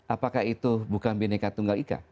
apakah itu bukan bineka tunggal ika